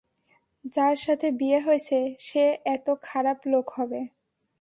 যার সাথে বিয়ে হয়েছে সে এতো খারাপ লোক হবে।